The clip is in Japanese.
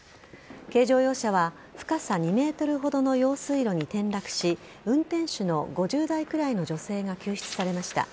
軽乗用車は深さ２ｍほどの用水路に転落し運転手の５０代くらいの女性が救出されました。